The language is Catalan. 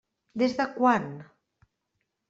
Des de quan?